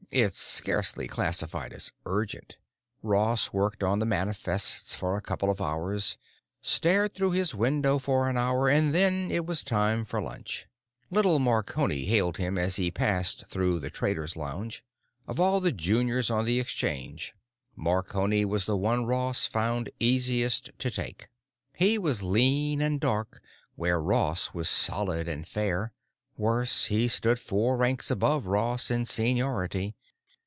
It scarcely classified as urgent. Ross worked on the manifests for a couple of hours, stared through his window for an hour, and then it was time for lunch. Little Marconi hailed him as he passed through the traders' lounge. Of all the juniors on the Exchange, Marconi was the one Ross found easiest to take. He was lean and dark where Ross was solid and fair; worse, he stood four ranks above Ross in seniority.